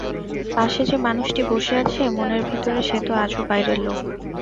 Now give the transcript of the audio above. পাশে যে মানুষটি বসে আছে, মনের ভিতরে সে তো আজও বাইরের লোক।